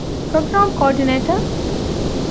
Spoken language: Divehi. ޕްރޮގްރާމް ކޯޑިނޭޓަރ